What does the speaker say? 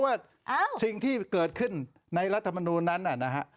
ใช่เพราะว่าสิ่งที่เกิดขึ้นในรัฐมนุนนั้นนะครับ